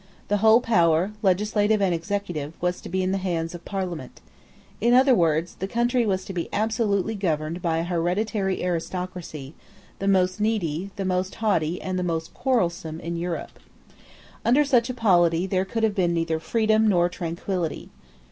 The whole power, legislative and executive, was to be in the hands of the Parliament. In other words, the country was to be absolutely governed by a hereditary aristocracy, the most needy, the most haughty, and the most quarrelsome in Europe. Under such a polity there could have been neither freedom nor tranquillity.